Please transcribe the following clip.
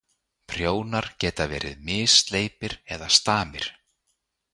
Prjónar geta verið missleipir eða stamir.